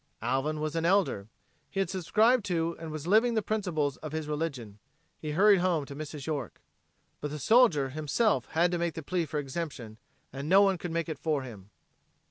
Alvin was an elder; he had subscribed to and was living the principles of his religion. He hurried home to Mrs. York. But the soldier, himself, had to make the plea for exemption, no one could make it for him.